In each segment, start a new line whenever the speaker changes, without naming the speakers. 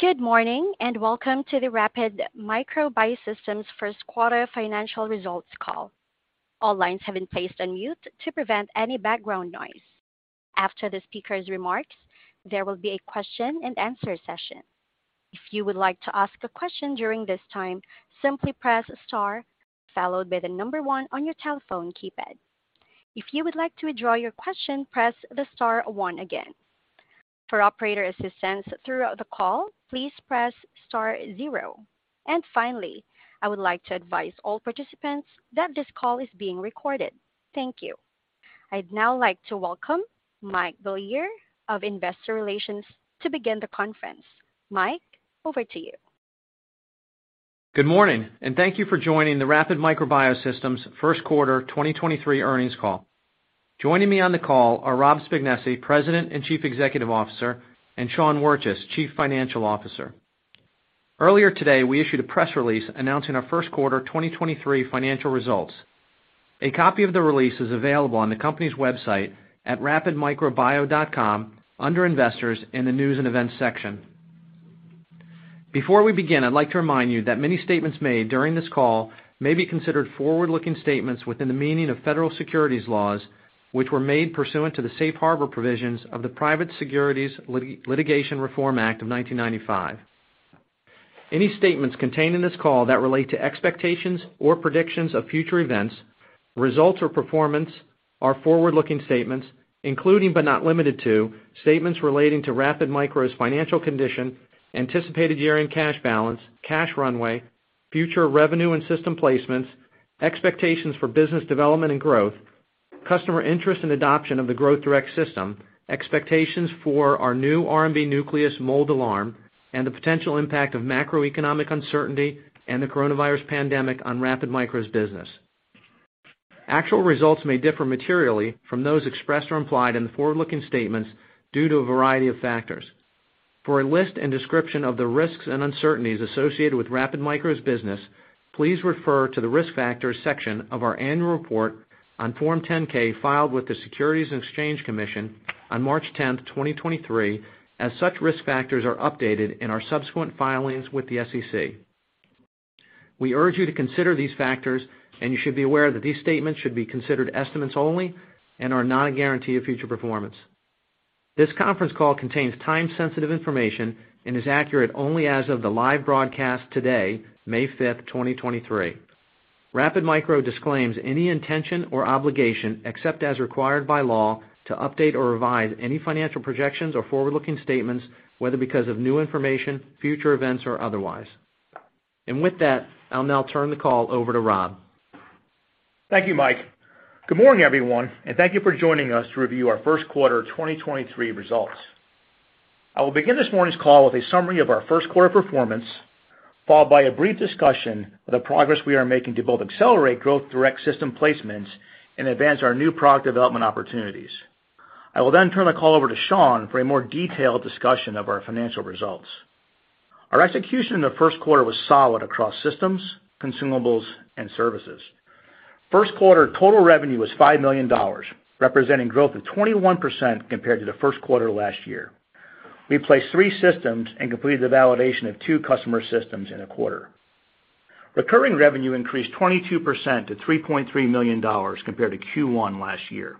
Good morning, welcome to the Rapid Micro Biosystems first quarter financial results call. All lines have been placed on mute to prevent any background noise. After the speaker's remarks, there will be a question and answer session. If you would like to ask a question during this time, simply press star followed by the number one on your telephone keypad. If you would like to withdraw your question, press the star one again. For operator assistance throughout the call, please press star zero. Finally, I would like to advise all participants that this call is being recorded. Thank you. I'd now like to welcome Michael Beaulieu of Investor Relations to begin the conference. Mike, over to you.
Good morning. Thank you for joining the Rapid Micro Biosystems first quarter 2023 earnings call. Joining me on the call are Rob Spignesi, President and Chief Executive Officer, and Sean Wirtjes, Chief Financial Officer. Earlier today, we issued a press release announcing our first quarter 2023 financial results. A copy of the release is available on the company's website at rapidmicrobio.com under Investors in the News & Events section. Before we begin, I'd like to remind you that many statements made during this call may be considered forward-looking statements within the meaning of federal securities laws, which were made pursuant to the Safe Harbor provisions of the Private Securities Litigation Reform Act of 1995. Any statements contained in this call that relate to expectations or predictions of future events, results or performance are forward-looking statements, including but not limited to statements relating to Rapid Micro's financial condition, anticipated year-end cash balance, cash runway, future revenue and system placements, expectations for business development and growth, customer interest and adoption of the Growth Direct System, expectations for our new RMBNucleus Mold Alarm, and the potential impact of macroeconomic uncertainty and the coronavirus pandemic on Rapid Micro's business. Actual results may differ materially from those expressed or implied in the forward-looking statements due to a variety of factors. For a list and description of the risks and uncertainties associated with Rapid Micro's business, please refer to the Risk Factors section of our annual report on Form 10-K filed with the Securities and Exchange Commission on March 10th, 2023, as such risk factors are updated in our subsequent filings with the SEC. We urge you to consider these factors, and you should be aware that these statements should be considered estimates only and are not a guarantee of future performance. This conference call contains time-sensitive information and is accurate only as of the live broadcast today, May 5th, 2023. Rapid Micro disclaims any intention or obligation, except as required by law, to update or revise any financial projections or forward-looking statements, whether because of new information, future events or otherwise. With that, I'll now turn the call over to Rob.
Thank you, Mike. Good morning, everyone, thank you for joining us to review our first quarter 2023 results. I will begin this morning's call with a summary of our first quarter performance, followed by a brief discussion of the progress we are making to both accelerate Growth Direct System placements and advance our new product development opportunities. I will then turn the call over to Sean for a more detailed discussion of our financial results. Our execution in the first quarter was solid across systems, consumables, and services. First quarter total revenue was $5 million, representing growth of 21% compared to the first quarter last year. We placed three systems and completed the validation of two customer systems in the quarter. Recurring revenue increased 22% to $3.3 million compared to Q1 last year.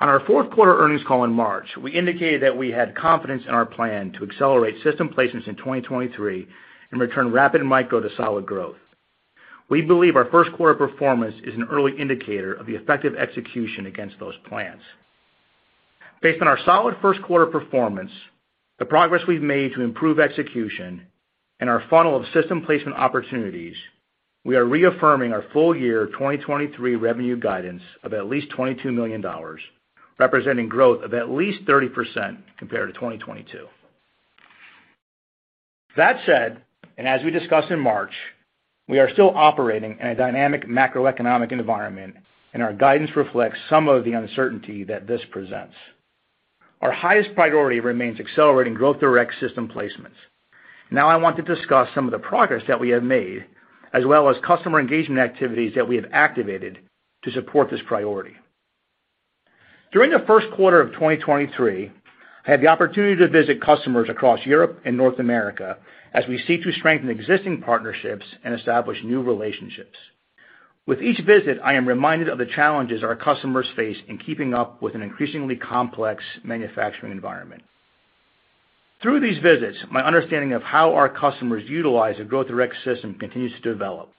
On our fourth quarter earnings call in March, we indicated that we had confidence in our plan to accelerate system placements in 2023 and return Rapid Micro to solid growth. We believe our first quarter performance is an early indicator of the effective execution against those plans. Based on our solid first quarter performance, the progress we've made to improve execution and our funnel of system placement opportunities, we are reaffirming our full year 2023 revenue guidance of at least $22 million, representing growth of at least 30% compared to 2022. That said, and as we discussed in March, we are still operating in a dynamic macroeconomic environment, and our guidance reflects some of the uncertainty that this presents. Our highest priority remains accelerating Growth Direct System placements. Now I want to discuss some of the progress that we have made, as well as customer engagement activities that we have activated to support this priority. During the first quarter of 2023, I had the opportunity to visit customers across Europe and North America as we seek to strengthen existing partnerships and establish new relationships. With each visit, I am reminded of the challenges our customers face in keeping up with an increasingly complex manufacturing environment. Through these visits, my understanding of how our customers utilize a Growth Direct System continues to develop.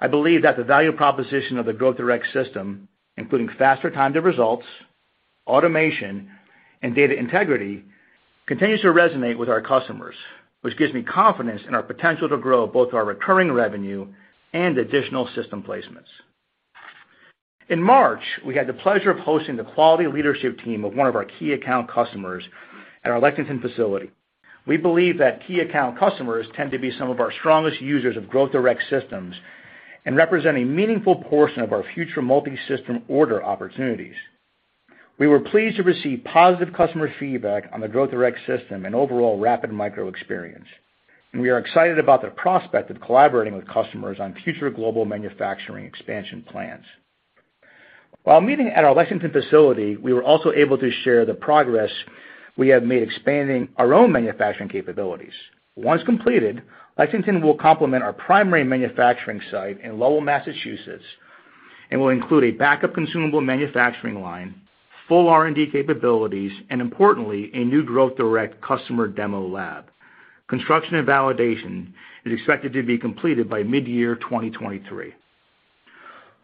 I believe that the value proposition of the Growth Direct System, including faster time to results, automation, and data integrity, continues to resonate with our customers, which gives me confidence in our potential to grow both our recurring revenue and additional system placements. In March, we had the pleasure of hosting the quality leadership team of one of our key account customers at our Lexington facility. We believe that key account customers tend to be some of our strongest users of Growth Direct systems and represent a meaningful portion of our future multi-system order opportunities. We were pleased to receive positive customer feedback on the Growth Direct System and overall Rapid Micro experience. We are excited about the prospect of collaborating with customers on future global manufacturing expansion plans. While meeting at our Lexington facility, we were also able to share the progress we have made expanding our own manufacturing capabilities. Once completed, Lexington will complement our primary manufacturing site in Lowell, Massachusetts, and will include a backup consumable manufacturing line, full R&D capabilities, and importantly, a new Growth Direct customer demo lab. Construction and validation is expected to be completed by mid-year 2023.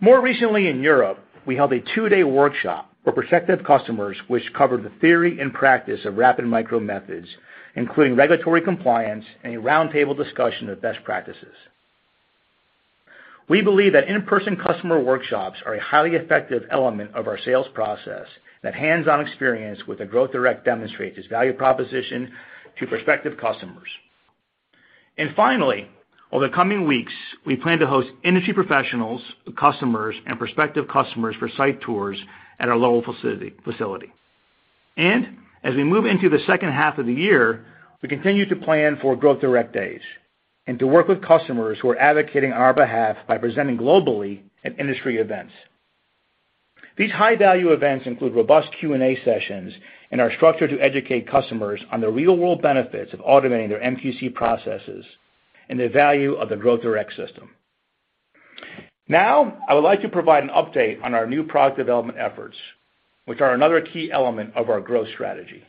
More recently in Europe, we held a two-day workshop for prospective customers which covered the theory and practice of Rapid Micro methods, including regulatory compliance and a roundtable discussion of best practices. We believe that in-person customer workshops are a highly effective element of our sales process that hands-on experience with the Growth Direct demonstrates its value proposition to prospective customers. Finally, over the coming weeks, we plan to host industry professionals, customers, and prospective customers for site tours at our Lowell facility. As we move into the second half of the year, we continue to plan for Growth Direct days and to work with customers who are advocating on our behalf by presenting globally at industry events. These high-value events include robust Q&A sessions and are structured to educate customers on the real-world benefits of automating their MQC processes and the value of the Growth Direct System. Now, I would like to provide an update on our new product development efforts, which are another key element of our growth strategy.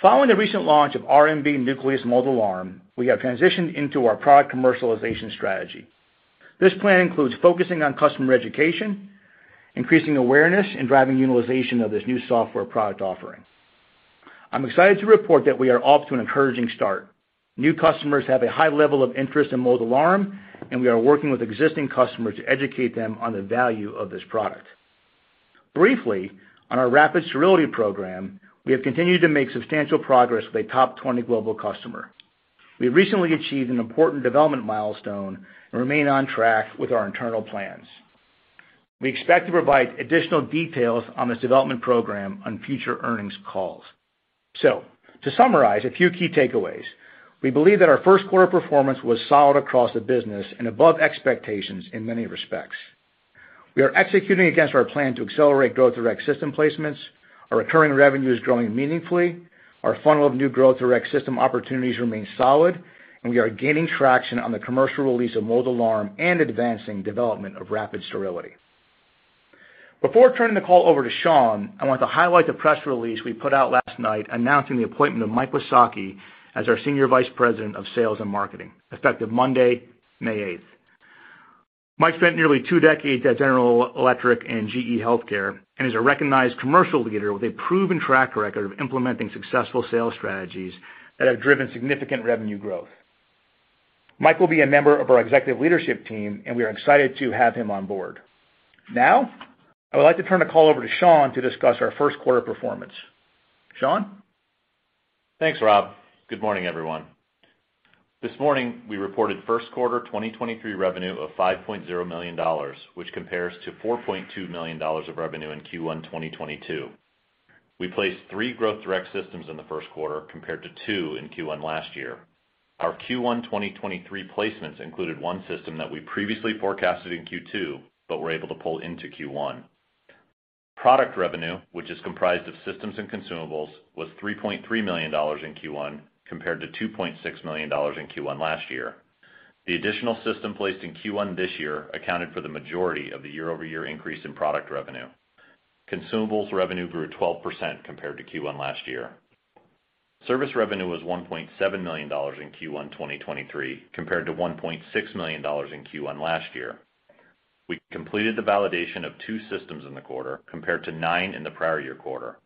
Following the recent launch of RMBNucleus Mold Alarm, we have transitioned into our product commercialization strategy. This plan includes focusing on customer education, increasing awareness, and driving utilization of this new software product offering. I'm excited to report that we are off to an encouraging start. New customers have a high level of interest in Mold Alarm, and we are working with existing customers to educate them on the value of this product. Briefly, on our Rapid Sterility program, we have continued to make substantial progress with a top 20 global customer. We recently achieved an important development milestone and remain on track with our internal plans. We expect to provide additional details on this development program on future earnings calls. To summarize, a few key takeaways. We believe that our first quarter performance was solid across the business and above expectations in many respects. We are executing against our plan to accelerate Growth Direct System placements. Our recurring revenue is growing meaningfully. Our funnel of new Growth Direct System opportunities remains solid, and we are gaining traction on the commercial release of Mold Alarm and advancing development of Rapid Sterility. Before turning the call over to Sean, I want to highlight the press release we put out last night announcing the appointment of Mike Wysocki as our Senior Vice President of Sales and Marketing, effective Monday, May 8th. Mike spent nearly two decades at General Electric and GE HealthCare and is a recognized commercial leader with a proven track record of implementing successful sales strategies that have driven significant revenue growth. Mike will be a member of our executive leadership team, and we are excited to have him on board. Now, I would like to turn the call over to Sean to discuss our first quarter performance. Sean?
Thanks, Rob. Good morning, everyone. This morning, we reported first quarter 2023 revenue of $5.0 million, which compares to $4.2 million of revenue in Q1 2022. We placed three Growth Direct systems in the first quarter compared to two in Q1 last year. Our Q1 2023 placements included one system that we previously forecasted in Q2, but were able to pull into Q1. Product revenue, which is comprised of systems and consumables, was $3.3 million in Q1 compared to $2.6 million in Q1 last year. The additional system placed in Q1 this year accounted for the majority of the year-over-year increase in product revenue. Consumables revenue grew 12% compared to Q1 last year. Service revenue was $1.7 million in Q1 2023 compared to $1.6 million in Q1 last year. We completed the validation of two systems in the quarter compared to nine in the prior year quarter.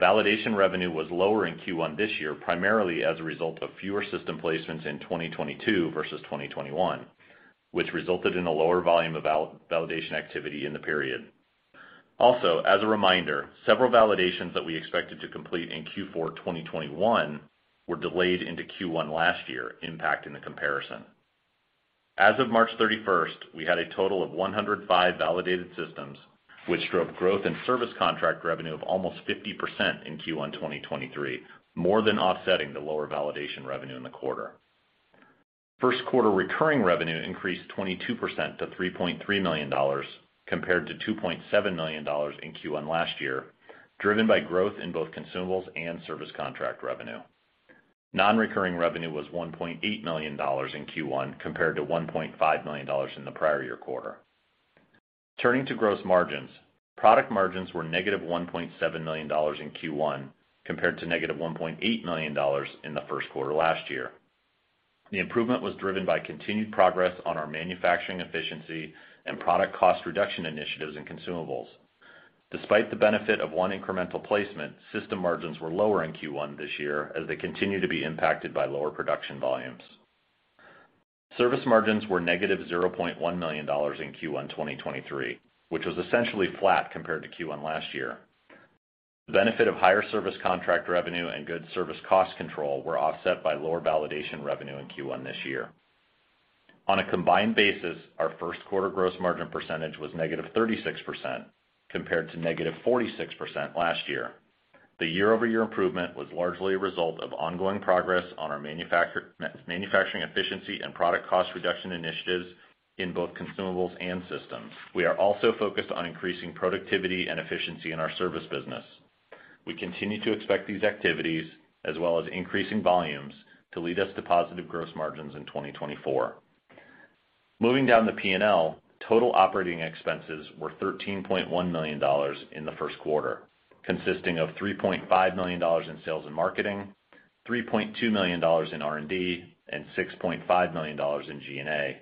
Validation revenue was lower in Q1 this year, primarily as a result of fewer system placements in 2022 versus 2021, which resulted in a lower volume of validation activity in the period. As a reminder, several validations that we expected to complete in Q4 2021 were delayed into Q1 last year, impacting the comparison. As of March 31st, we had a total of 105 validated systems, which drove growth in service contract revenue of almost 50% in Q1 2023, more than offsetting the lower validation revenue in the quarter. First quarter recurring revenue increased 22% to $3.3 million, compared to $2.7 million in Q1 last year, driven by growth in both consumables and service contract revenue. Non-recurring revenue was $1.8 million in Q1, compared to $1.5 million in the prior year quarter. Turning to gross margins, product margins were negative $1.7 million in Q1, compared to negative $1.8 million in the first quarter last year. The improvement was driven by continued progress on our manufacturing efficiency and product cost reduction initiatives in consumables. Despite the benefit of one incremental placement, system margins were lower in Q1 this year as they continue to be impacted by lower production volumes. Service margins were negative $0.1 million in Q1 2023, which was essentially flat compared to Q1 last year. The benefit of higher service contract revenue and good service cost control were offset by lower validation revenue in Q1 this year. On a combined basis, our first quarter gross margin percentage was negative 36%, compared to negative 46% last year. The year-over-year improvement was largely a result of ongoing progress on our manufacturing efficiency and product cost reduction initiatives in both consumables and systems. We are also focused on increasing productivity and efficiency in our service business. We continue to expect these activities as well as increasing volumes to lead us to positive gross margins in 2024. Moving down the P&L, total operating expenses were $13.1 million in the first quarter, consisting of $3.5 million in sales and marketing, $3.2 million in R&D, and $6.5 million in G&A.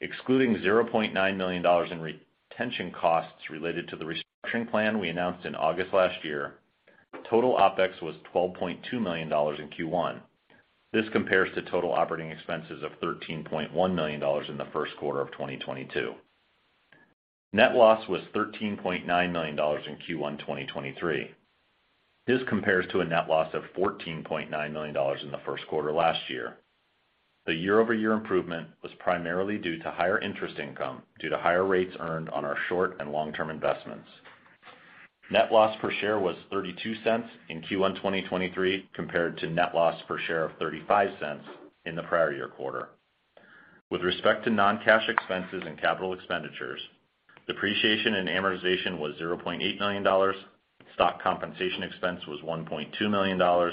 Excluding $0.9 million in retention costs related to the restructuring plan we announced in August last year, total OpEx was $12.2 million in Q1. This compares to total operating expenses of $13.1 million in the first quarter of 2022. Net loss was $13.9 million in Q1 2023. This compares to a net loss of $14.9 million in the first quarter last year. The year-over-year improvement was primarily due to higher interest income due to higher rates earned on our short and long-term investments. Net loss per share was $0.32 in Q1 2023 compared to net loss per share of $0.35 in the prior year quarter. With respect to non-cash expenses and capital expenditures, depreciation and amortization was $0.8 million, stock compensation expense was $1.2 million,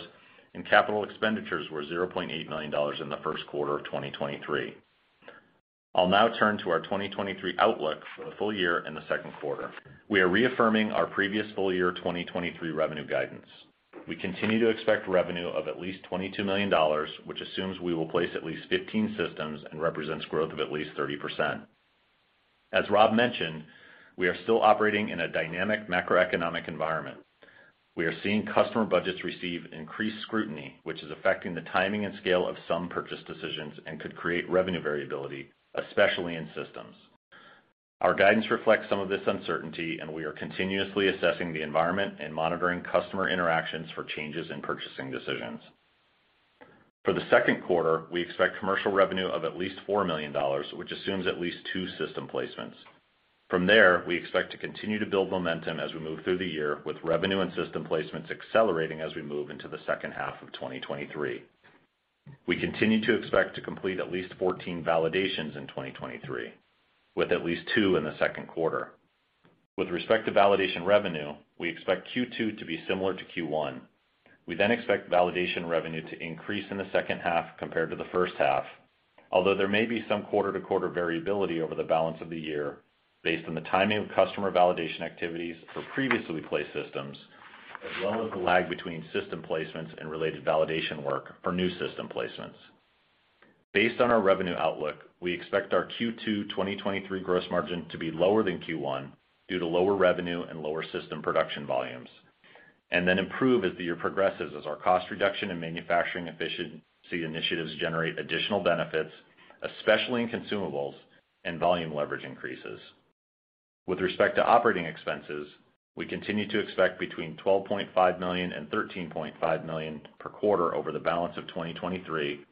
and capital expenditures were $0.8 million in the first quarter of 2023. I'll now turn to our 2023 outlook for the full year and the second quarter. We are reaffirming our previous full year 2023 revenue guidance. We continue to expect revenue of at least $22 million, which assumes we will place at least 15 systems and represents growth of at least 30%. As Rob mentioned, we are still operating in a dynamic macroeconomic environment. We are seeing customer budgets receive increased scrutiny, which is affecting the timing and scale of some purchase decisions and could create revenue variability, especially in systems. Our guidance reflects some of this uncertainty. We are continuously assessing the environment and monitoring customer interactions for changes in purchasing decisions. For the second quarter, we expect commercial revenue of at least $4 million, which assumes at least two system placements. We expect to continue to build momentum as we move through the year with revenue and system placements accelerating as we move into the second half of 2023. We continue to expect to complete at least 14 validations in 2023, with at least 2 in the second quarter. With respect to validation revenue, we expect Q2 to be similar to Q1. We expect validation revenue to increase in the second half compared to the first half, although there may be some quarter-to-quarter variability over the balance of the year based on the timing of customer validation activities for previously placed systems, as well as the lag between system placements and related validation work for new system placements. Based on our revenue outlook, we expect our Q2 2023 gross margin to be lower than Q1 due to lower revenue and lower system production volumes, and then improve as the year progresses as our cost reduction and manufacturing efficiency initiatives generate additional benefits, especially in consumables and volume leverage increases. With respect to operating expenses, we continue to expect between $12.5 million and $13.5 million per quarter over the balance of 2023,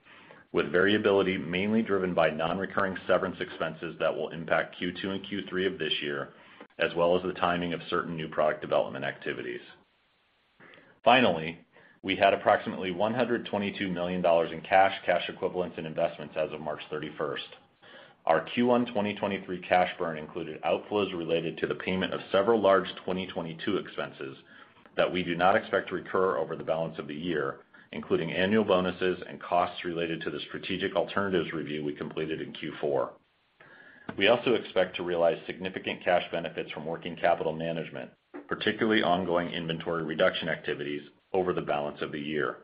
with variability mainly driven by non-recurring severance expenses that will impact Q2 and Q3 of this year, as well as the timing of certain new product development activities. Finally, we had approximately $122 million in cash equivalents, and investments as of March 31st. Our Q1 2023 cash burn included outflows related to the payment of several large 2022 expenses that we do not expect to recur over the balance of the year, including annual bonuses and costs related to the strategic alternatives review we completed in Q4. We also expect to realize significant cash benefits from working capital management, particularly ongoing inventory reduction activities over the balance of the year.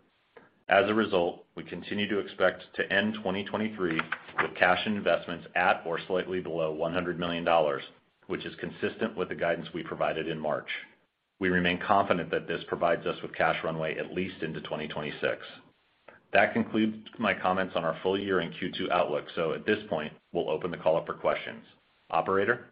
As a result, we continue to expect to end 2023 with cash and investments at or slightly below $100 million, which is consistent with the guidance we provided in March. We remain confident that this provides us with cash runway at least into 2026. That concludes my comments on our full year and Q2 outlook. At this point, we'll open the call up for questions. Operator?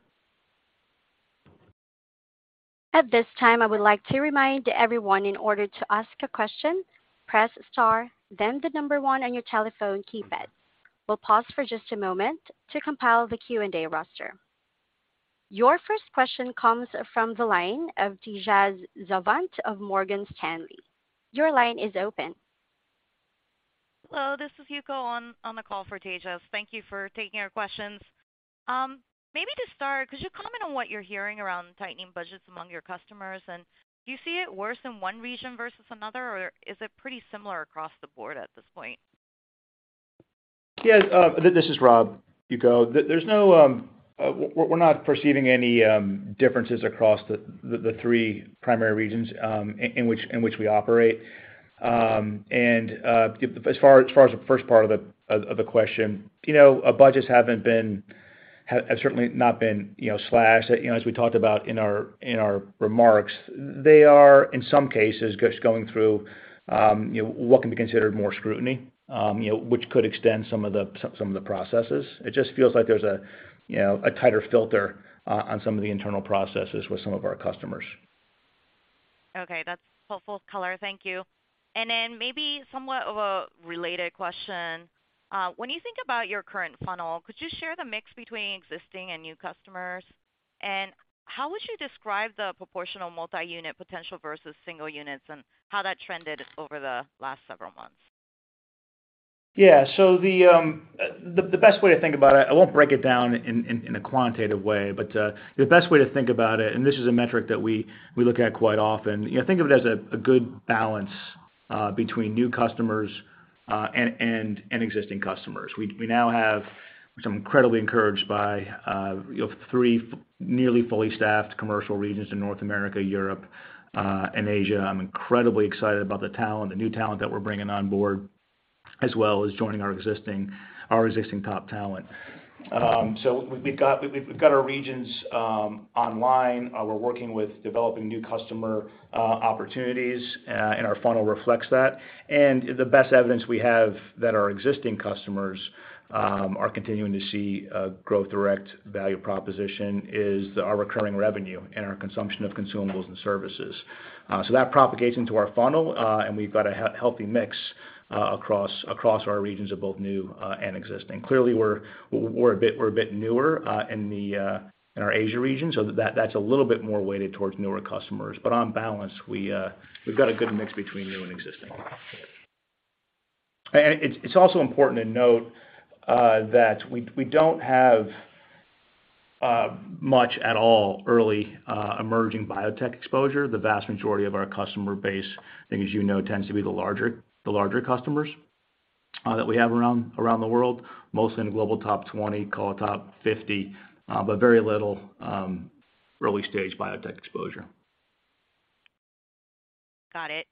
At this time, I would like to remind everyone in order to ask a question, press star then the one on your telephone keypad. We'll pause for just a moment to compile the Q&A roster. Your first question comes from the line of Tejas Savant of Morgan Stanley. Your line is open.
Hello, this is Yuko on the call for Tejas. Thank you for taking our questions. Maybe to start, could you comment on what you're hearing around tightening budgets among your customers? Do you see it worse in one region versus another, or is it pretty similar across the board at this point?
Yes, this is Rob, Yuko. There's no, we're not perceiving any differences across the three primary regions in which we operate. As far as the first part of the question, you know, our budgets have certainly not been, you know, slashed. You know, as we talked about in our remarks, they are in some cases just going through, you know, what can be considered more scrutiny, you know, which could extend some of the processes. It just feels like there's a, you know, a tighter filter on some of the internal processes with some of our customers.
Okay, that's helpful color. Thank you. Then maybe somewhat of a related question. When you think about your current funnel, could you share the mix between existing and new customers? How would you describe the proportional multi-unit potential versus single units and how that trended over the last several months?
The best way to think about it, I won't break it down in a quantitative way. The best way to think about it, this is a metric that we look at quite often, you know, think of it as a good balance between new customers and existing customers. We now have some incredibly encouraged by, you know, three nearly fully staffed commercial regions in North America, Europe, and Asia. I'm incredibly excited about the talent, the new talent that we're bringing on board, as well as joining our existing top talent. We've got our regions online. We're working with developing new customer opportunities, and our funnel reflects that. The best evidence we have that our existing customers are continuing to see Growth Direct value proposition is our recurring revenue and our consumption of consumables and services. That propagates into our funnel, and we've got a healthy mix across our regions of both new and existing. Clearly we're a bit newer in the in our Asia region, so that's a little bit more weighted towards newer customers. On balance, we've got a good mix between new and existing. It's also important to note that we don't have much at all early emerging biotech exposure. The vast majority of our customer base, I think as you know, tends to be the larger customers, that we have around the world, mostly in global top 20, call it top 50, but very little, early-stage biotech exposure.
Got it.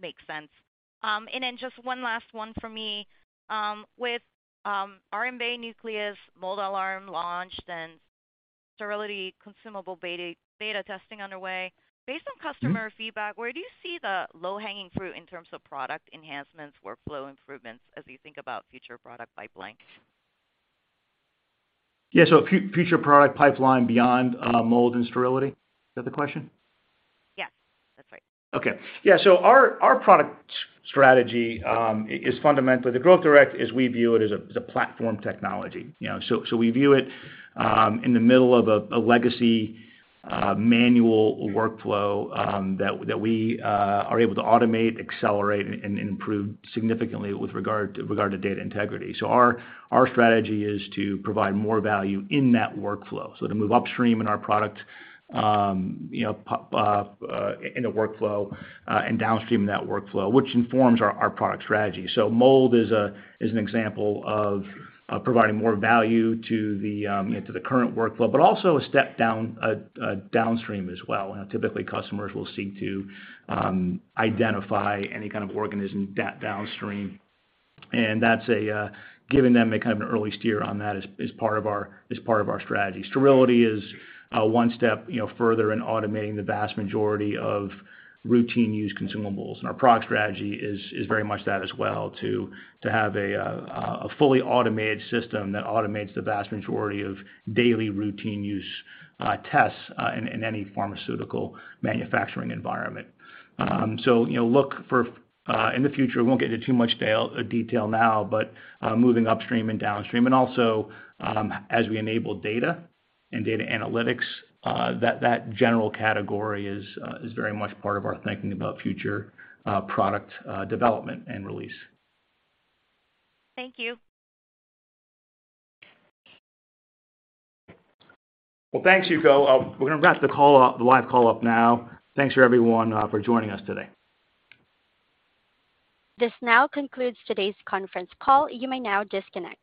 Makes sense. Just one last one for me. With RMBNucleus Mold Alarm launched and sterility consumable beta testing underway, based on customer feedback, where do you see the low-hanging fruit in terms of product enhancements, workflow improvements as you think about future product pipeline?
Yeah. Future product pipeline beyond, mold and sterility, is that the question?
Yes, that's right.
Okay. Yeah. Our product strategy is fundamentally the Growth Direct, as we view it, as a platform technology. You know, we view it in the middle of a legacy manual workflow that we are able to automate, accelerate, and improve significantly with regard to data integrity. Our strategy is to provide more value in that workflow, so to move upstream in our product, you know, pop up in the workflow and downstream that workflow, which informs our product strategy. Mold is an example of providing more value to the, you know, to the current workflow, but also a step down downstream as well. Typically, customers will seek to identify any kind of organism that downstream, and that's a giving them a kind of an early steer on that is part of our strategy. Sterility is one step, you know, further in automating the vast majority of routine use consumables. Our product strategy is very much that as well, to have a fully automated system that automates the vast majority of daily routine use tests in any pharmaceutical manufacturing environment. You know, look for in the future, we won't get into too much detail now, but moving upstream and downstream. Also, as we enable data and data analytics, that general category is very much part of our thinking about future product development and release.
Thank you.
Thanks, Yuko. We're gonna wrap the call up, the live call up now. Thanks for everyone, for joining us today.
This now concludes today's conference call. You may now disconnect.